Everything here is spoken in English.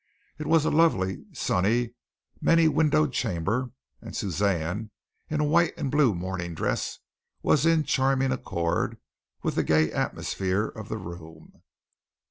It was a lovely, sunny, many windowed chamber, and Suzanne in a white and blue morning dress was in charming accord with the gay atmosphere of the room.